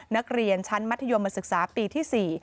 นักเรียนชั้นมัธยมศึกษาปีที่๔